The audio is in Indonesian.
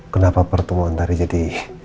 kenapa pertemuan tadi jadi